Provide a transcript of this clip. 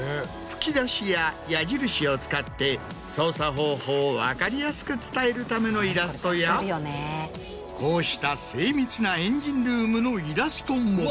吹き出しや矢印を使って操作方法を分かりやすく伝えるためのイラストやこうした精密なエンジンルームのイラストも。